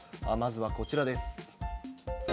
まずはこちらです。